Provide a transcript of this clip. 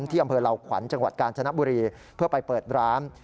ที่อำเภอเหล่าขวัญจังหวัดกาญจนบุรีเพื่อไปเปิดร้าน